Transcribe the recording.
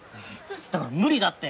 だから無理だって！